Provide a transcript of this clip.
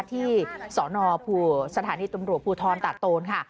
ที่สนสถานีตำรวจภูทรตาโตนค่ะ